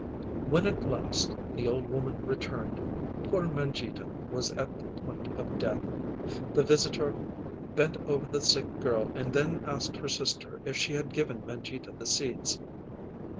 When at last the old woman returned, poor Mangita was at the point of death. The visitor bent over the sick girl and then asked her sister if she had given Mangita the seeds.